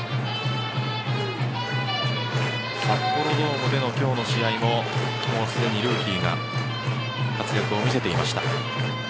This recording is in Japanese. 札幌ドームでの今日の試合もすでにルーキーが活躍を見せていました。